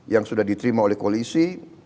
yang sudah diterima oleh koalisi